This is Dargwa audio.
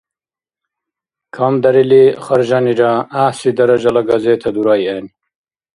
Камдарили харжанира, гӀяхӀси даражала газета дурайэн.